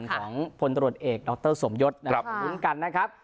ของพลตรวจเอกดรสมยศของคุณกันนะครับ